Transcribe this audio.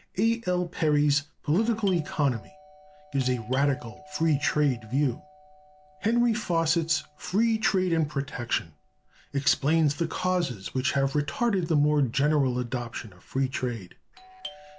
A. L. Perry's "Political Economy" gives a radical free trade view. Henry Fawcett's "Free Trade and Protection" explains the causes which have retarded the more general adoption of free trade.